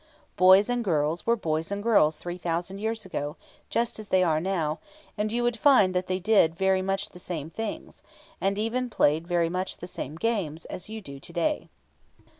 Boys and girls were boys and girls three thousand years ago, just as they are now; and you would find that they did very much the same things, and even played very much the same games as you do to day.